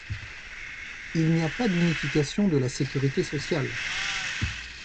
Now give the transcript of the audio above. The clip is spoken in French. Il n'y a pas d'unification de la Sécurité sociale.